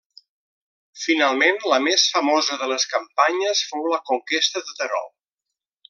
Finalment la més famosa de les campanyes fou la conquesta de Terol.